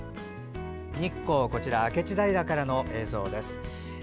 日光、明智平からの映像です。